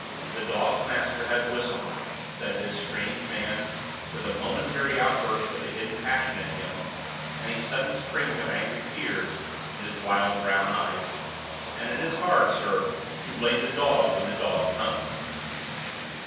The dog's master has whistled," said this strange man, with a momentary outburst of the hidden passion in him, and a sudden springing of angry tears in his wild brown eyes, "and it is hard, sir, to blame the dog when the dog comes."